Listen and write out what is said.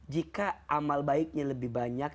jika amal baiknya lebih banyak